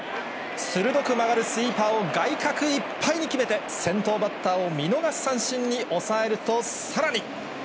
鋭く曲がるスイーパーを外角いっぱいに決めて、先頭バッターを見逃し三振に抑えると、さらに。